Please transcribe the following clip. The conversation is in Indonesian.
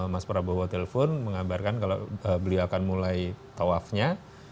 mas prabowo telpon mengabarkan kalau beliau akan mulai tawafnya